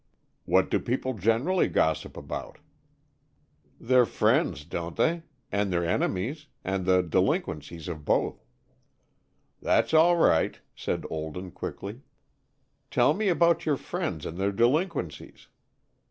"What do people generally gossip about?" "Their friends, don't they? And their enemies; and the delinquencies of both." "That's all right," said Olden, quickly. "Tell me about your friends and their delinquencies."